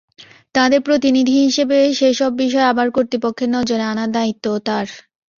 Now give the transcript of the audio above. তাঁদের প্রতিনিধি হিসেবে সেসব বিষয় আবার কর্তৃপক্ষের নজরে আনার দায়িত্বও তাঁর।